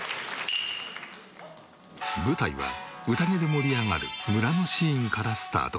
舞台は宴で盛り上がる村のシーンからスタート。